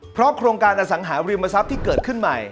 เพราะโครงการอสังหาริมทรัพย์ที่เกิดขึ้นใหม่